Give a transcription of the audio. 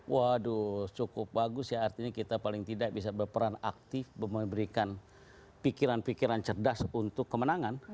waduh cukup bagus ya artinya kita paling tidak bisa berperan aktif memberikan pikiran pikiran cerdas untuk kemenangan